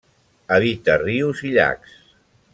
Habita rius i llacs.